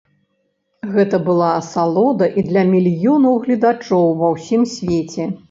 Гэта была асалода і для мільёнаў гледачоў ва ўсім свеце.